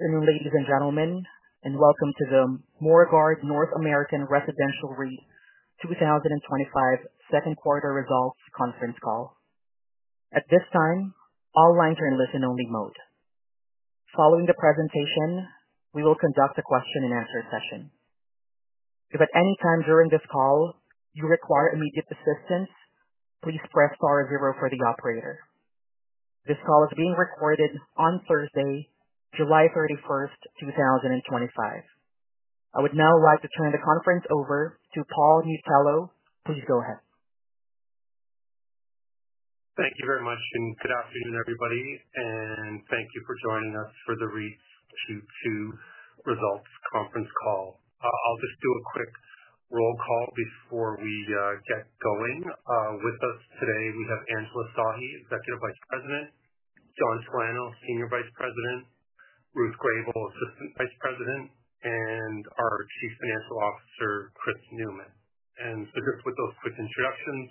Good evening, ladies and gentlemen, and welcome to the Morguard North American Residential REIT 2025 second quarter results conference call. At this time, all lines are in listen-only mode. Following the presentation, we will conduct a question and answer session. If at any time during this call you require immediate assistance, please press star zero for the operator. This call is being recorded on Thursday, July 31, 2025. I would now like to turn the conference over to Paul Miatello. Please go ahead. Thank you very much, and good afternoon, everybody, and thank you for joining us for the REIT's Q2 results conference call. I'll just do a quick roll call before we get going. With us today, we have Angela Sahi, Executive Vice President, John Talano, Senior Vice President, Ruth Grabel, Assistant Vice President, and our Chief Financial Officer, Chris Newman. With those quick introductions,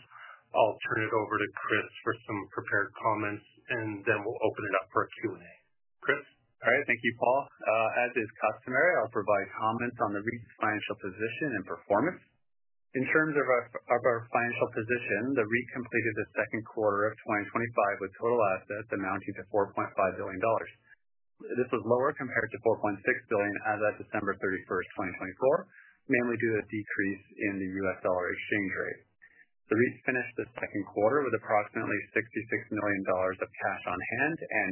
I'll turn it over to Chris for some prepared comments, and then we'll open it up for a Q&A. Chris? All right, thank you, Paul. As is customary, I'll provide comments on the REIT's financial position and performance. In terms of our financial position, the REIT completed the second quarter of 2025 with total assets amounting to $4.5 billion. This was lower compared to $4.6 billion as of December 31, 2024, mainly due to a decrease in the U.S. dollar exchange rate. The REIT finished the second quarter with approximately $66 million of cash on hand and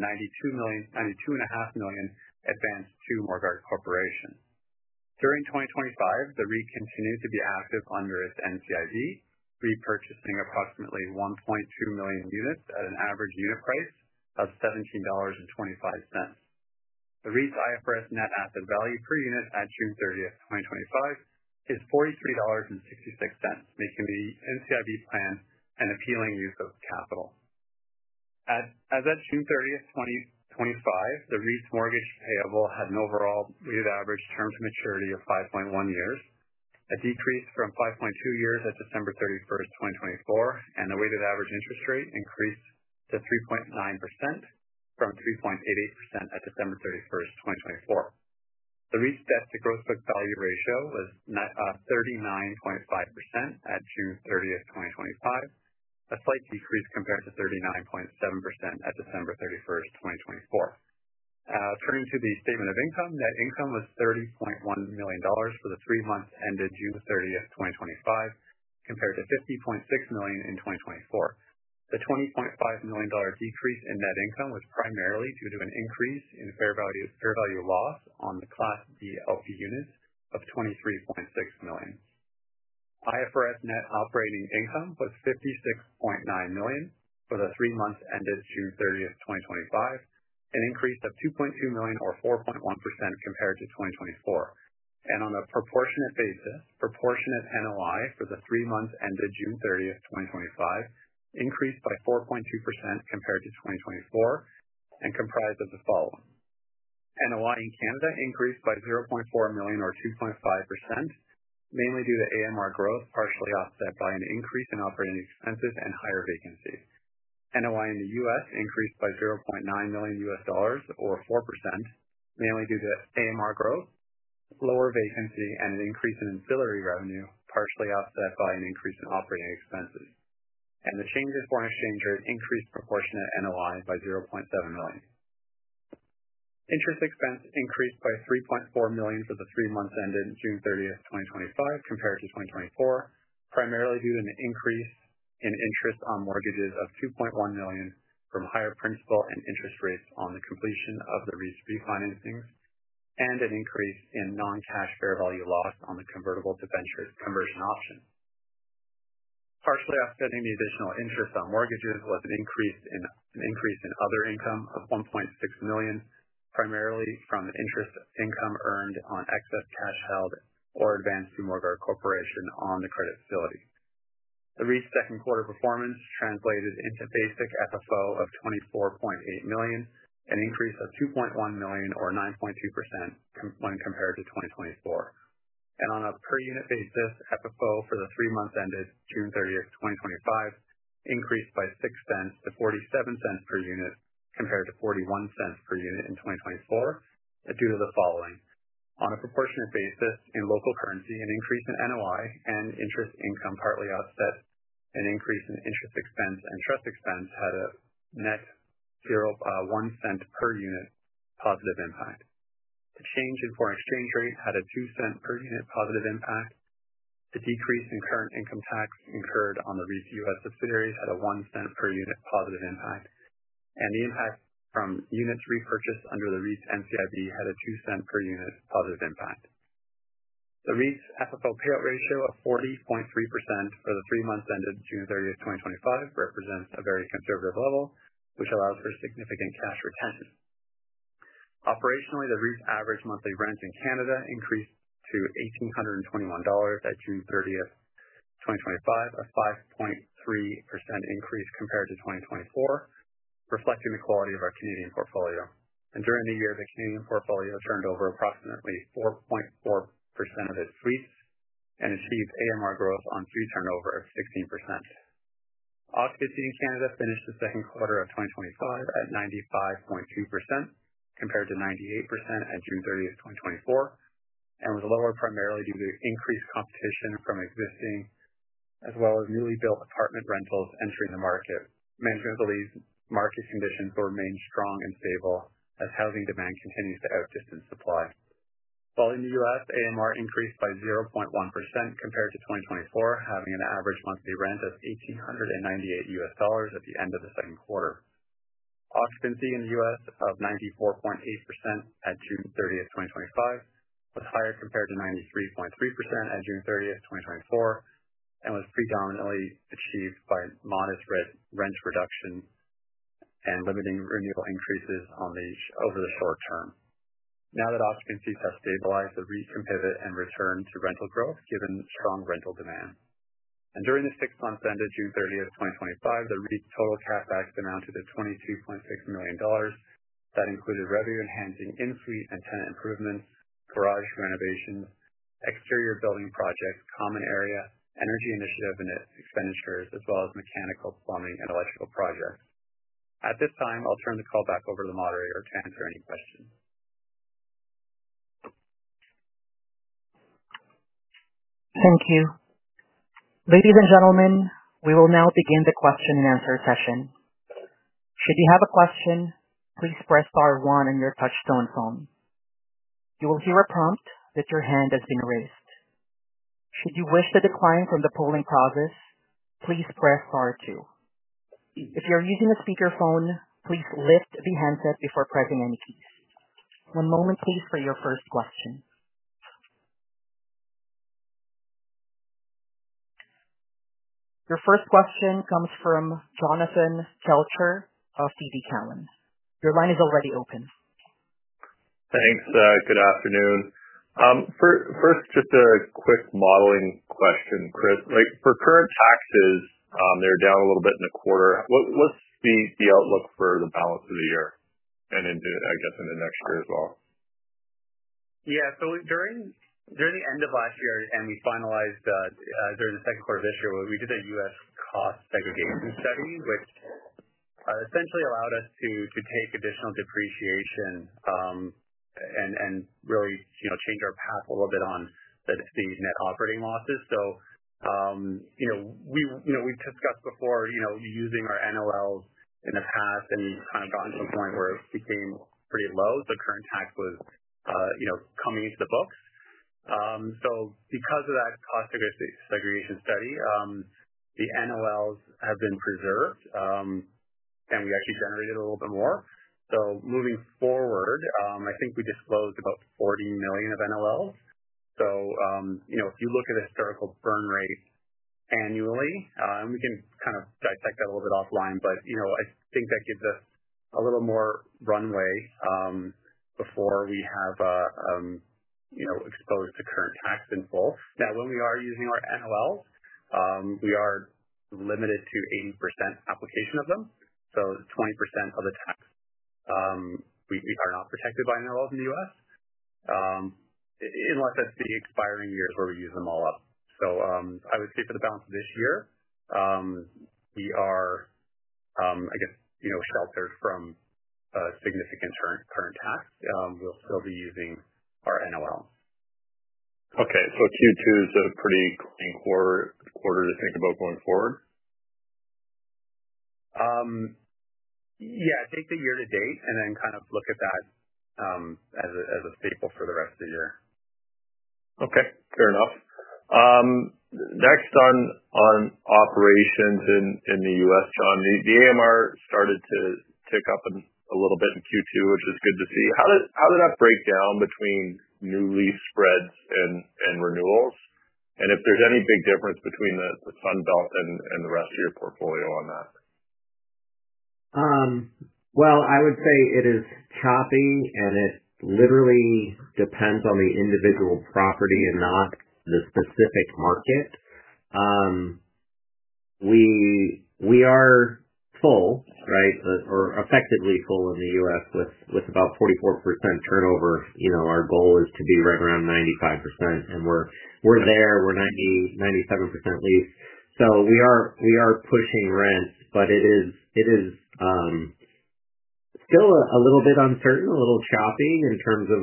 $92.5 million advanced to Morguard Corporation. During 2025, the REIT continued to be active on U.S. NCIB, repurchasing approximately 1.2 million units at an average unit price of $17.25. The REIT's IFRS net asset value per unit at June 30, 2025, is $43.66, making the NCIB's plan an appealing use of capital. As of June 30, 2025, the REIT's mortgage payable had an overall weighted average term to maturity of 5.1 years, a decrease from 5.2 years at December 31, 2024, and the weighted average interest rate increased to 3.9% from 3.88% at December 31, 2024. The REIT's debt-to-gross book value ratio was 39.5% at June 30, 2025, a slight decrease compared to 39.7% at December 31, 2024. Turning to the statement of income, net income was $30.1 million for the three months ended June 30, 2025, compared to $50.6 million in 2024. The $20.5 million decrease in net income was primarily due to an increase in fair value loss on the Class B LP Units of $23.6 million. IFRS net operating income was $56.9 million for the three months ended June 30, 2025, an increase of $2.2 million or 4.1% compared to 2024. On a proportionate basis, proportionate NOI for the three months ended June 30, 2025, increased by 4.2% compared to 2024 and comprised the following: NOI in Canada increased by $0.4 million or 2.5%, mainly due to AMR growth partially offset by an increase in operating expenses and higher vacancy. NOI in the U.S. increased by $0.9 million U.S. dollars or 4%, mainly due to AMR growth, lower vacancy, and an increase in ancillary revenue partially offset by an increase in operating expenses. The change in foreign exchange rate increased proportionate NOI by $0.7 million. Interest expense increased by $3.4 million for the three months ended June 30, 2025, compared to 2024, primarily due to an increase in interest on mortgages of $2.1 million from higher principal and interest rates on the completion of the REIT's refinancings and an increase in non-cash fair value loss on the convertible to bench risk conversion option. Partially offsetting the additional interest on mortgages was an increase in other income of $1.6 million, primarily from the interest income earned on excess cash held or advanced to Morguard Corporation on the credit facility. The REIT's second quarter performance translated into basic FFO of $24.8 million, an increase of $2.1 million or 9.2% when compared to 2024. On a per unit basis, FFO for the three months ended June 30, 2025, increased by $0.06 to $0.47 per unit compared to $0.41 per unit in 2024, due to the following: on a proportionate basis, in local currency, an increase in NOI and interest income partly offset an increase in interest expense and trust expense had a net $0.01 per unit positive impact. The change in foreign exchange rate had a $0.02 per unit positive impact. The decrease in current income tax incurred on the REIT's U.S. subsidiaries had a $0.01 per unit positive impact. The impacts from units repurchased under the REIT's NCIB had a $0.02 per unit positive impact. The REIT's FFO payout ratio of 40.3% for the three months ended June 30, 2025, represents a very conservative level, which allowed for significant cash retention. Operationally, the REIT's average monthly rent in Canada increased to $1,821 at June 30, 2025, a 5.3% increase compared to 2024, reflecting the quality of our Canadian portfolio. During the year, the Canadian portfolio turned over approximately 4.4% of its REITs and achieved AMR growth on free turnover of 16%. Occupancy in Canada finished the second quarter of 2025 at 95.2% compared to 98% at June 30, 2024, and was lower primarily due to increased competition from existing as well as newly built apartment rentals entering the market. Management believes market conditions will remain strong and stable as housing demand continues to outdistance supply. In the U.S., AMR increased by 0.1% compared to 2024, having an average monthly rent of $1,898 at the end of the second quarter. Occupancy in the U.S. of 94.8% at June 30, 2025, was higher compared to 93.3% at June 30, 2024, and was predominantly achieved by modest rent reduction and limiting renewal increases over the short term. Now that occupancies have stabilized, the REITs can pivot and return to rental growth given strong rental demand. During the six months ended June 30, 2025, the REIT's total cash back amounted to $22.6 million. That included revenue enhancing in-suite and tenant improvements, garage renovations, exterior building projects, common area, energy initiative, and expenditures, as well as mechanical, plumbing, and electrical projects. At this time, I'll turn the call back over to the moderator to answer any questions. Thank you. Ladies and gentlemen, we will now begin the question and answer session. If you have a question, please press star one on your touch-tone phone. You will hear a prompt that your hand has been raised. Should you wish to decline from the polling process, please press star two. If you're using a speaker phone, please lift the handset before pressing any key. One moment, please, for your first question. Your first question comes from Jonathan Kelcher of TD Cowen. Your line is already open. Thanks. Good afternoon. First, just a quick modeling question, Chris. For current taxes, they're down a little bit in the quarter. What's the outlook for the balance of the year and into, I guess, the next year as well? Yeah, during the end of last year and we finalized during the second part of this year, we did a U.S. cost segregation study, which essentially allowed us to take additional depreciation and really change our path a little bit on these net operating losses. We discussed before using our NOLs in the past and kind of gotten to the point where it became pretty low. The current tax was coming into the books. Because of that cost segregation study, the NOLs have been preserved and we actually generated a little bit more. Moving forward, I think we disclosed about $40 million of NOLs. If you look at the historical burn rate annually, and we can kind of dissect that a little bit offline, I think that gives us a little more runway before we have exposed the current tax in full. Now, when we are using our NOLs, we are limited to 80% application of them. So 20% of the tax, we are not protected by NOLs in the U.S., unless it's the expiring years where we use them all up. I would say for the balance of this year, we are, I guess, sheltered from a significant current tax. We'll still be using our NOL. Okay, Q2 is a pretty important quarter to think about going forward? Yeah, I think the year to date and then kind of look at that as a staple for the rest of the year. Okay, fair enough. Next, on operations in the U.S., 0n, the AMR started to tick up a little bit in Q2, which is good to see. How did that break down between new lease spreads and renewals? If there's any big difference between the Sunbelt and the rest of your portfolio on that. It is choppy, and it literally depends on the individual property and not the specific market. We are full, right, or effectively full in the U.S. with about 44% turnover. Our goal is to be right around 95%, and we're there. We're 97% leased. We are pushing rents, but it is still a little bit uncertain, a little choppy in terms of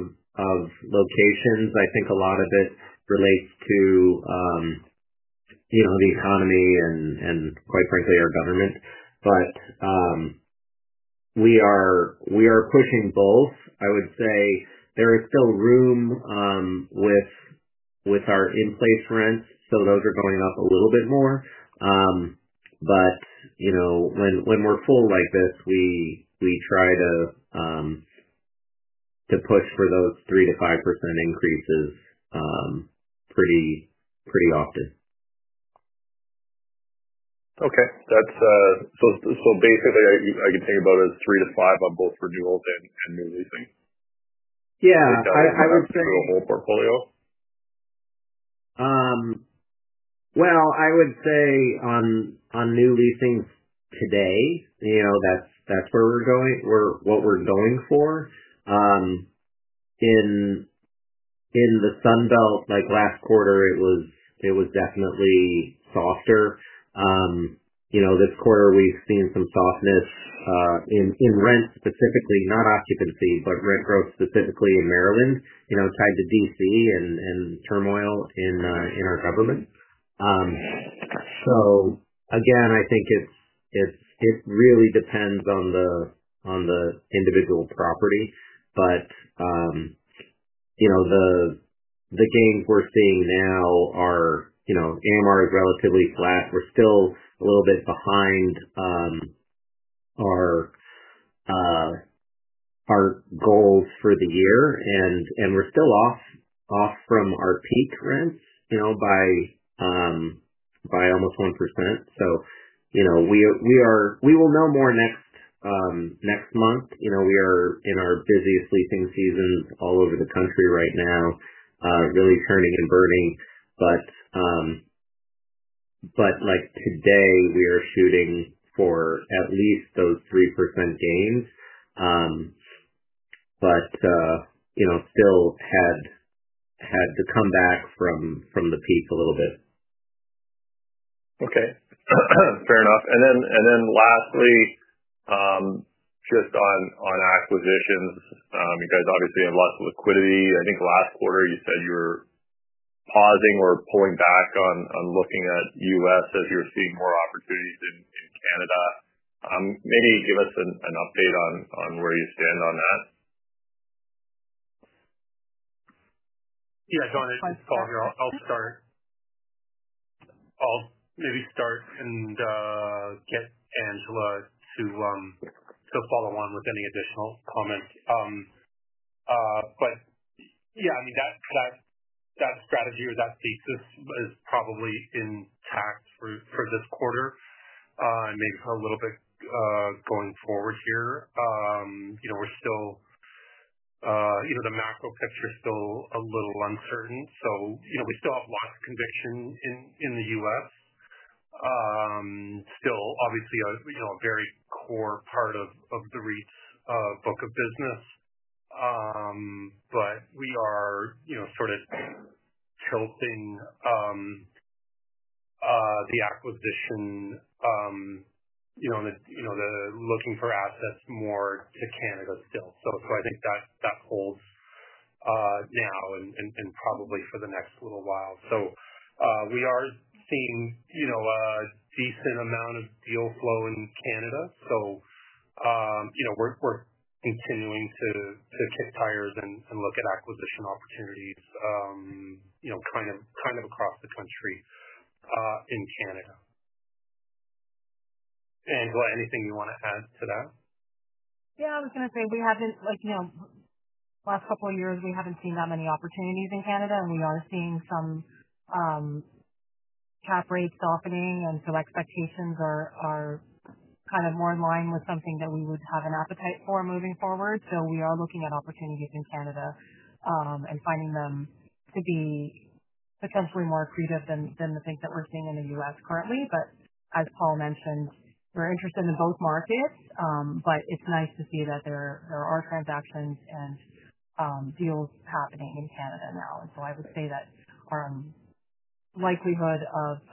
locations. I think a lot of this relates to the economy and, quite frankly, our government. We are pushing both. There is still room with our in-place rents, so those are going up a little bit more. When we're full like this, we try to push for those 3% to 5% increases pretty often. Okay, that's basically I can think about is 3-5% on both renewals and new leasing. I would say. That's a sustainable portfolio? I would say on new leasings today, you know, that's where we're going, what we're going for. In the Sunbelt, like last quarter, it was definitely softer. This quarter we've seen some softness in rent specifically, not occupancy, but rent growth specifically in Maryland, you know, tied to D.C. and turmoil in our government. I think it really depends on the individual property. The gains we're seeing now are, you know, AMR is relatively flat. We're still a little bit behind our goals for the year, and we're still off from our peak rents by almost 1%. We will know more next month. We are in our busy leasing seasons all over the country right now, really turning and burning. Like today, we are shooting for at least those 3% gains, but still had the comeback from the peak a little bit. Okay, that's fair enough. Lastly, just on acquisitions, you guys obviously have lots of liquidity. I think last quarter you said you were pausing or pulling back on looking at U.S. as you were seeing more opportunities in Canada. Maybe give us an update on where you stand on that. Yeah, John, it's Paul here. I'll start and get Angela to follow on with any additional comments. That strategy or that thesis is probably intact for this quarter and maybe a little bit going forward here. The macro picture is still a little uncertain. We still have a lot of conviction in the U.S., still obviously a very core part of the REIT's book of business. We are sort of tilting the acquisition and the looking for assets more to Canada still. I think that holds now and probably for the next little while. We are seeing a decent amount of deal flow in Canada. We're continuing to kick tires and look at acquisition opportunities across the country in Canada. Angela, anything you want to add to that? Yeah, I was going to say we haven't, like, you know, the last couple of years, we haven't seen that many opportunities in Canada, and we are seeing some cap rates softening. Expectations are kind of more in line with something that we would have an appetite for moving forward. We are looking at opportunities in Canada and finding them to be potentially more creative than the things that we're seeing in the U.S. currently. As Paul mentioned, we're interested in both markets, but it's nice to see that there are transactions and deals happening in Canada now. I would say that our likelihood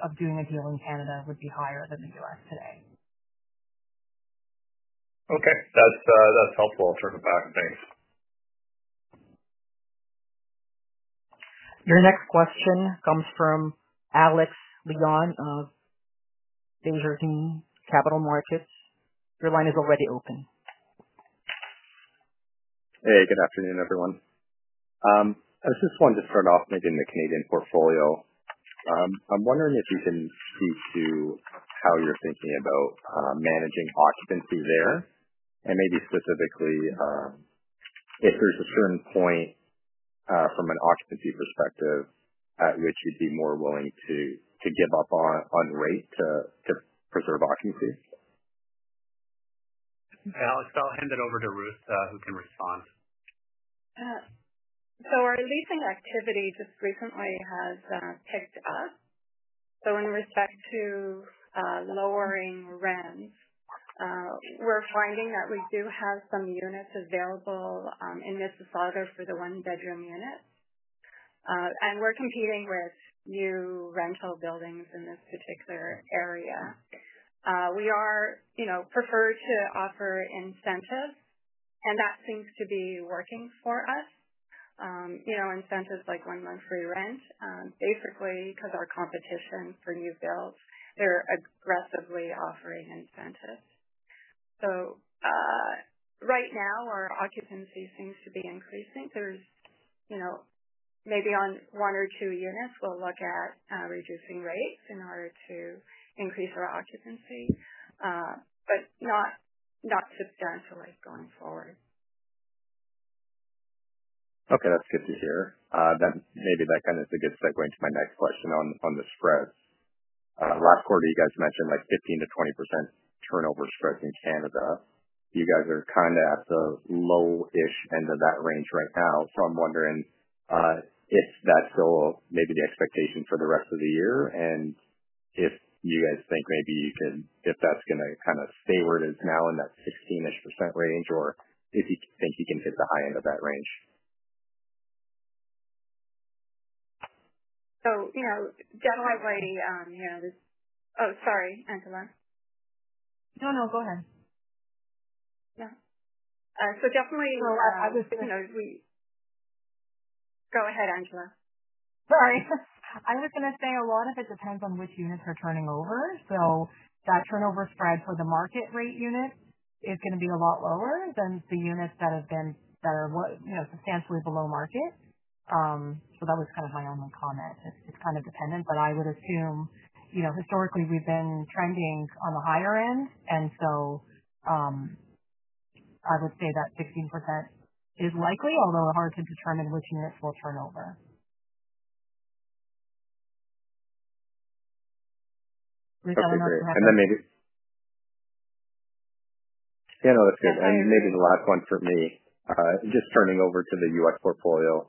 of doing a deal in Canada would be higher than the U.S. today. Okay, that's helpful. I'll circle back and thanks. Your next question comes from Alex Leon of Desjardins Capital Markets. Your line is already open. Hey, good afternoon, everyone. I was just wanting to start off maybe in the Canadian portfolio. I'm wondering if you can speak to how you're thinking about managing occupancy there. Maybe specifically, if there's a certain point from an occupancy perspective at which you'd be more willing to give up on rate to preserve occupancy? Alex, I'll hand it over to Ruth, who can respond. Our leasing activity just recently has picked up. In respect to lowering rents, we're finding that we do have some units available in Mississauga for the one-bedroom unit, and we're competing with new rental buildings in this particular area. We are, you know, preferred to offer incentives, and that seems to be working for us. Incentives like one-month free rent, basically because our competition for new builds, they're aggressively offering incentives. Right now, our occupancy seems to be increasing. There's maybe on one or two units, we'll look at reducing rates in order to increase our occupancy, but not substantially going forward. Okay, that's good to hear. Maybe that is a good segue into my next question on the spreads. Last quarter, you guys mentioned like 15%-20% turnover spreads in Canada. You guys are kind of at the low-ish end of that range right now. I'm wondering if that's still maybe the expectation for the rest of the year and if you guys think maybe you can, if that's going to kind of stay where it is now in that 16% range or if you think you can hit the high end of that range. Generally writing, you know, this, oh, sorry, Angela. No, go ahead. Yeah, definitely. I was going to— Go ahead, Angela. Sorry. I was going to say a lot of it depends on which units are turning over. That turnover spread for the market rate unit is going to be a lot lower than the units that are, you know, substantially below market. That was kind of my own comment. It's kind of dependent, but I would assume, you know, historically we've been trending on the higher end. I would say that 16% is likely, although hard to determine which units will turn over. That's good. Maybe the last one for me, just turning over to the U.S. portfolio.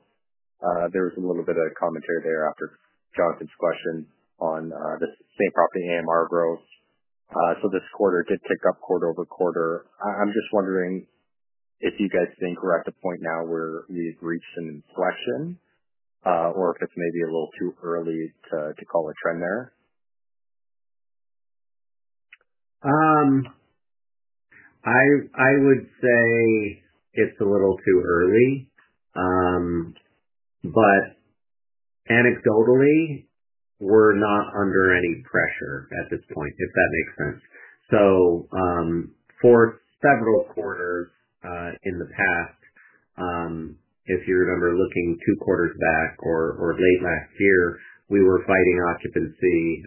There was a little bit of commentary there after John's question on the same property AMR growth. This quarter did pick up quarter over quarter. I'm just wondering if you guys think we're at the point now where we've reached an inflection, or if it's maybe a little too early to call a trend there. I would say it's a little too early, but anecdotally, we're not under any pressure at this point, if that makes sense. For several quarters in the past, if you remember looking two quarters back or late last year, we were fighting occupancy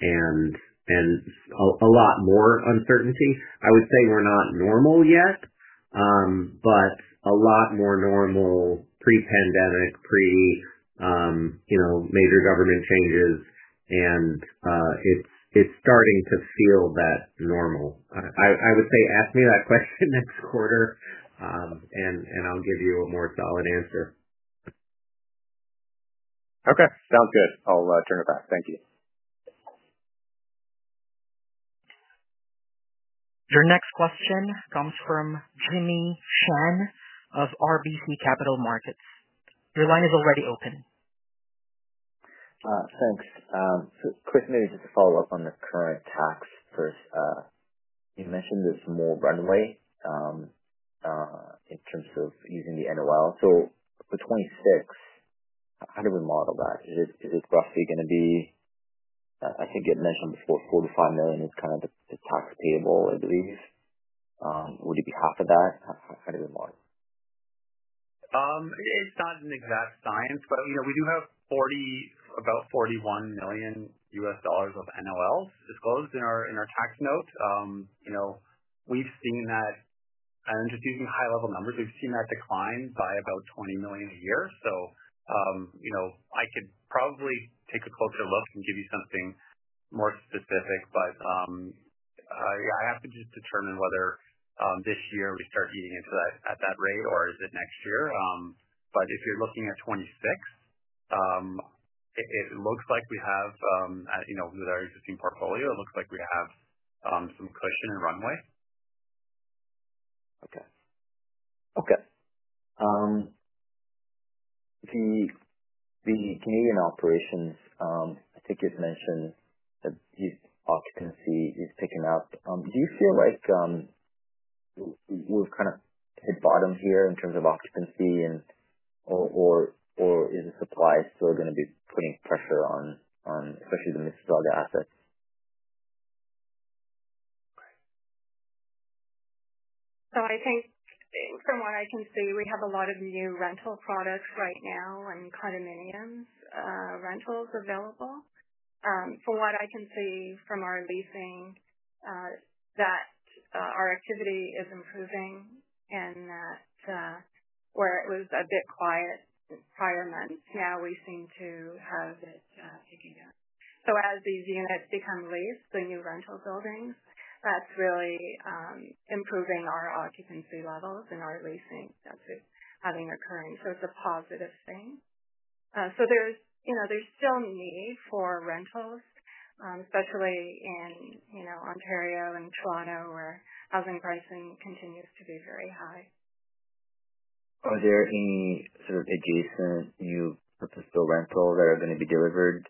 and a lot more uncertainty. I would say we're not normal yet, but a lot more normal pre-pandemic, pre-major government changes. It's starting to feel that normal. I will say, ask me that question next quarter, and I'll give you a more solid answer. Okay, sounds good. I'll turn it back. Thank you. Your next question comes from Jimmy Shan of RBC Capital Markets. Your line is already open. Thanks. Chris Newman, just a follow-up on the current tax first. You mentioned there's more runway in terms of using the NOL. For 2026, how do we model that? Is it roughly going to be, I think you had mentioned before, $45 million is kind of the tax payable, I believe. Would it be half of that? How do we model? It's not an exact science, but you know we do have about $41 million U.S. of NOLs disclosed in our tax notes. You know, we've seen that, and I'm just using high-level numbers, we've seen that decline by about $20 million a year. I could probably take a closer look and give you something more specific, but, yeah, I have to just determine whether this year we start eating into that at that rate or is it next year. If you're looking at 2026, it looks like we have, you know, with our existing portfolio, it looks like we have some cushion and runway. Okay. The Canadian operations, I think you've mentioned that the occupancy is picking up. Do you feel like we've kind of hit bottom here in terms of occupancy, or is the supply still going to be putting pressure on, especially the Mississauga assets? I think from what I can see, we have a lot of new rental products right now and condominiums, rentals available. From what I can see from our leasing, our activity is improving and where it was a bit quiet prior months, now we seem to have it picking up. As these units become leased, the new rental buildings, that's really improving our occupancy levels and our leasing that's occurring. It's a positive thing. There's still a need for rentals, especially in Ontario and Toronto where housing pricing continues to be very high. Are there any sort of adjacent new rentals that are going to be delivered,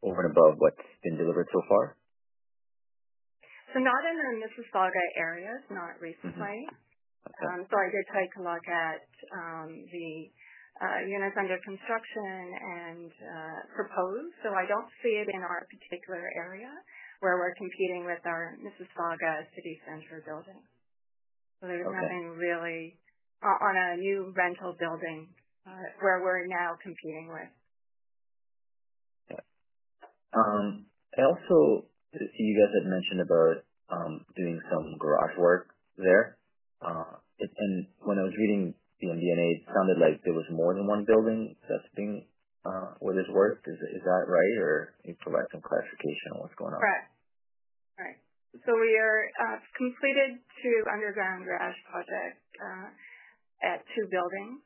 over and above what's been delivered so far? Not in the Mississauga areas, not recently. I did take a look at the units under construction and proposed. I don't see it in our particular area where we're competing with our Mississauga City Centre building. There's nothing really on a new rental building where we're now competing with. I also see you guys had mentioned about doing some grass work there. When I was reading the MD&A, it sounded like there was more than one building that's being, what it's worth. Is that right, or can you provide some clarification on what's going on? Right. We completed two underground garage projects at two buildings.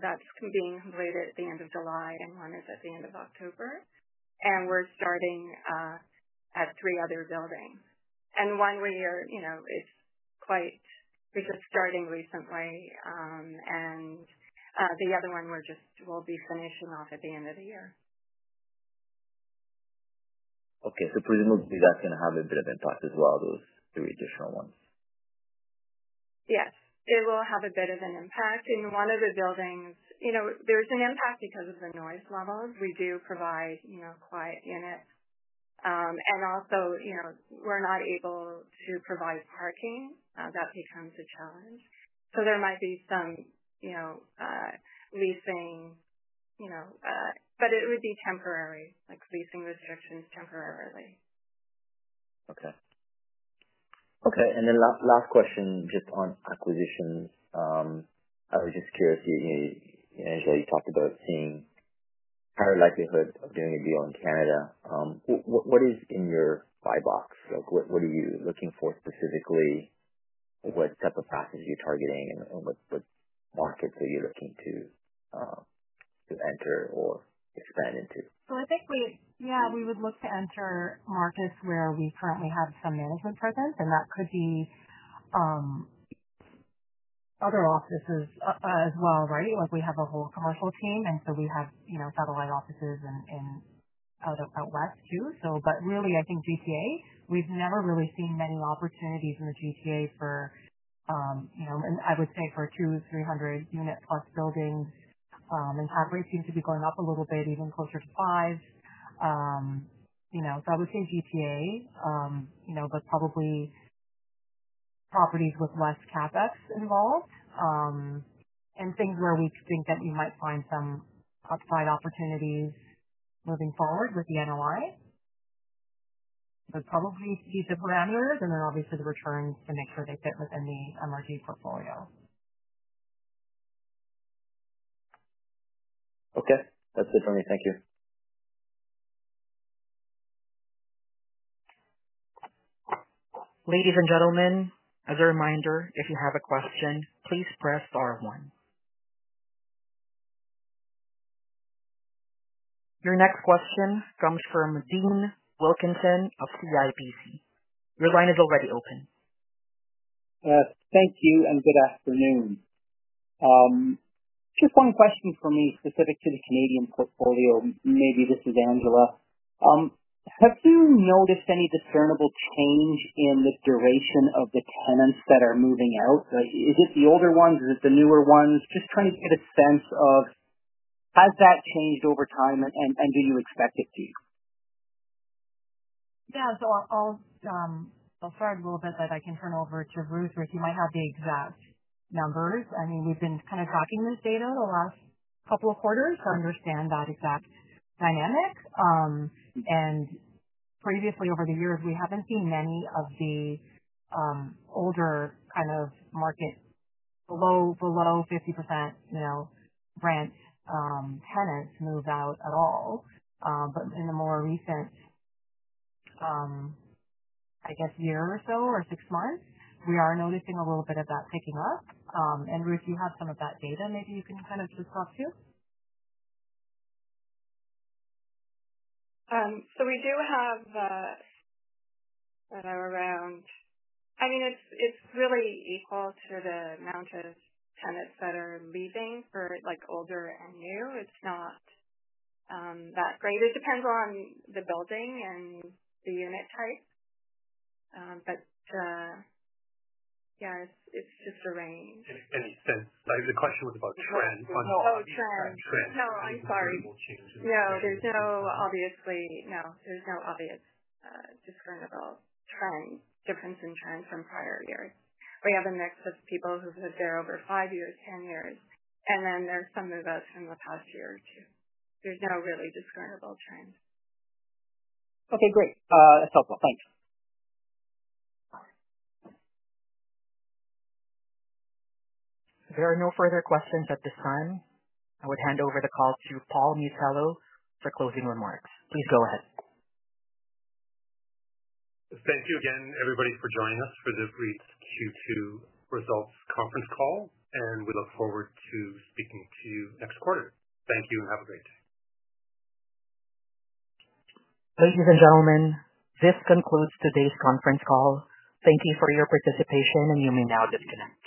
That's being completed at the end of July and one is at the end of October. We're starting at three other buildings. One is just starting recently, and the other one we'll be finishing off at the end of the year. Okay. Presumably, that's going to have a bit of impact as well, those three additional ones. Yes. It will have a bit of an impact. In one of the buildings, there's an impact because of the noise levels. We do provide, you know, quiet units, and also, you know, we're not able to provide parking. That becomes a challenge. There might be some, you know, leasing, you know, but it would be temporary, like leasing restrictions temporarily. Okay. Okay. Last question, just on acquisitions, emerging security, you know, you talked about seeing higher likelihood of doing a deal in Canada. What is in your buy box? Like, what are you looking for specifically? What type of assets are you targeting? What markets are you looking to enter or expand into? I think we would look to enter markets where we currently have some management presence, and that could be other offices as well, right? Like, we have a whole commercial team, and we have satellite offices out west too. Really, I think GTA, we've never really seen many opportunities in the GTA for, I would say, for 200, 300 unit plus buildings. Cap rates seem to be going up a little bit, even closer to 5%. I would say GTA, but probably properties with less CapEx involved, and things where we think that you might find some upside opportunities moving forward with the NOI. Probably need to keep the parameters and then obviously the returns to make sure they fit within the Morguard North American Residential REIT portfolio. Okay, that's good for me. Thank you. Ladies and gentlemen, as a reminder, if you have a question, please press star one. Your next question comes from Dean Wilkinson of CIBC. Your line is already open. Thank you, and good afternoon. Just one question for me specific to the Canadian portfolio. Maybe this is Angela. Have you noticed any discernible change in the duration of the tenants that are moving out? Like, is it the older ones? Is it the newer ones? Just trying to get a sense of, has that changed over time and do you expect it to? I'll start a little bit, then I can turn it over to Ruth, who might have the exact numbers. We've been kind of tracking this data the last couple of quarters to understand that exact dynamic. Previously, over the years, we haven't seen many of the older kind of market below 50% rent tenants move out at all. In the more recent year or so, or six months, we are noticing a little bit of that picking up. Ruth, you have some of that data, maybe you can discuss too? We do have that around, I mean, it's really equal to the amount of tenants that are leaving for older and new. It's not that great. It depends on the building and the unit type, but yeah, it's just a range. The question was about trend. No, there's no obvious, discernible trend, difference in trend from prior years. We have a mix of people who've lived there over 5 years, 10 years, and then there's some of us from the past year or two. There's no really discernible trend. Okay, great. That's helpful. Thanks. If there are no further questions at this time, I would hand over the call to Paul Miatello for closing remarks. Please go ahead. Thank you again, everybody, for joining us for this REIT's Q2 results conference call, and we look forward to speaking to you next quarter. Thank you and have a great day. Ladies and gentlemen, this concludes today's conference call. Thank you for your participation, and you may now disconnect.